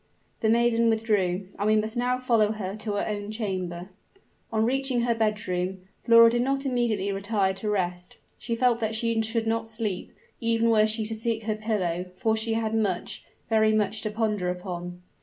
The maiden withdrew; and we must now follow her to her own chamber. On reaching her bedroom, Flora did not immediately retire to rest. She felt that she should not sleep, even were she to seek her pillow: for she had much very much to ponder upon!